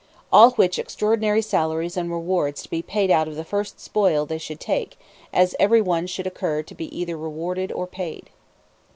All which extraordinary salaries and rewards to be paid out of the first spoil they should take, as every one should occur to be either rewarded or paid.